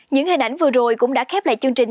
những hình ảnh vừa rồi cũng đã khép lại chương trình